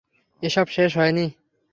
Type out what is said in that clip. এসব শেষ হয়নি।